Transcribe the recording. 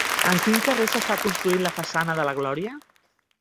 En quin carrer s'està construint la façana de la Glòria?